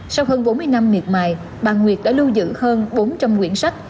sau hơn bốn mươi năm miệt mài bà nguyệt đã lưu giữ hơn bốn trăm linh quyển sách